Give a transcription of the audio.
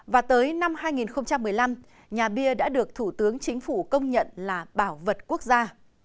và tới năm hai nghìn một mươi năm nhà bia đã được thủ tướng chính phủ công nhận là bảo vật quốc gia